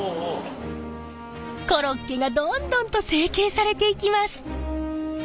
コロッケがどんどんと成型されていきます。